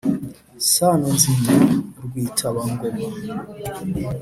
sano nzima rwitaba-ngoma